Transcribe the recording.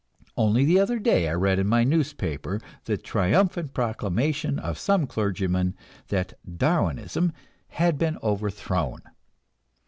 Only the other day I read in my newspaper the triumphant proclamation of some clergyman that "Darwinism" had been overthrown.